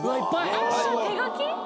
あ手書き？